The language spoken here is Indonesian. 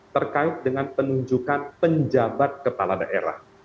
terkait dengan penunjukan penjabat kepala daerah